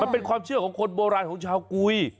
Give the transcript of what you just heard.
มันเป็นความเชื่อของคนโบราณของชาวกุย